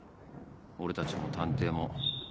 俺たちも探偵も。